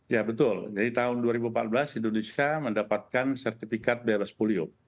ya betul jadi tahun dua ribu empat belas indonesia mendapatkan sertifikat beres polio